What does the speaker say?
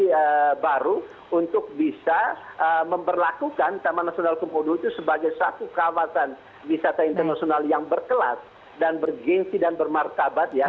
hingga gubernur memiliki pikiran inovasi baru untuk bisa memperlakukan taman nasional komodo itu sebagai satu kawasan wisata internasional yang berkelas dan bergensi dan bermarkabat ya